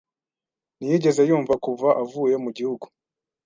Ntiyigeze yumva kuva avuye mu gihugu.